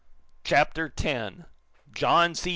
CHAPTER X JOHN C.